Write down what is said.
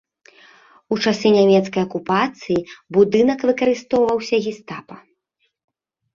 У часы нямецкай акупацыі будынак выкарыстоўваўся гестапа.